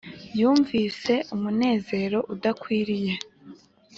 yumvise umunezero udakwiriye,